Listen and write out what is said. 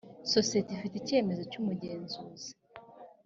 sosiyete ifite icyemezo cy umugenzuzi